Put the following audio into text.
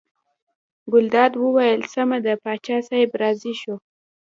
ګلداد وویل سمه ده پاچا صاحب راضي شو.